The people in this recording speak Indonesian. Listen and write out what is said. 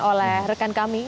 oleh rekan kami